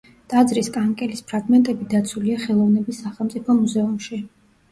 ტაძრის კანკელის ფრაგმენტები დაცულია ხელოვნების სახელმწიფო მუზეუმში.